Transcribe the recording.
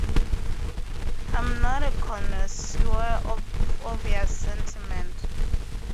I'm not a connoisseur of obvious sentiment.